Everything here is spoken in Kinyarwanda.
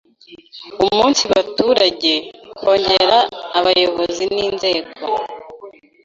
umunsi baturage, kongerera abayobozi n’inzego